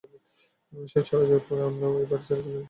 সে চলে যাওয়ার পর আমরাও এই বাড়ি ছেড়ে চলে যাই।